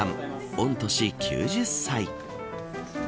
御年９０歳。